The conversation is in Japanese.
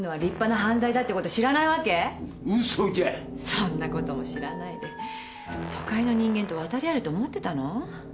そんなことも知らないで都会の人間と渡り合えると思ってたの？